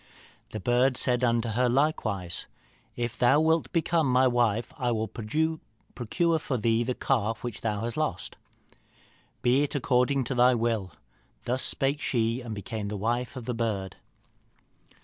The bird said unto her likewise, 'If thou wilt become my wife, I will procure for thee the calf which thou hast lost.' 'Be it according to thy will.' Thus spake she, and became the wife of the bird.